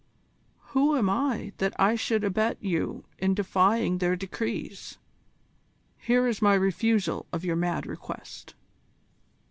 Who am I that I should abet you in defying their decrees? Here is my refusal of your mad request."